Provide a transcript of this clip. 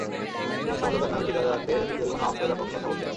তিনি সমঝোতার নামে ঠিকাদারদের জরিমানা মাফ করে দেওয়ার পক্ষে কথা বলছেন।